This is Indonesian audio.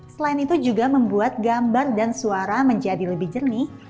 selain itu juga membuat gambar dan suara menjadi lebih jernih